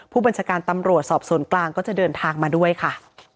ผู้บัญชาการตำรวจสอบสวนกลางก็จะเดินทางมาด้วยค่ะ